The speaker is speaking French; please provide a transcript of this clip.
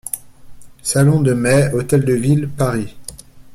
Salon de Mai, Hôtel de ville, Paris.